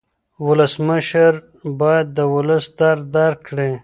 ولسمشر باید د ولس درد درک کړي.